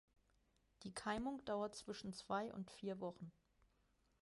Die Keimung dauert zwischen zwei und vier Wochen.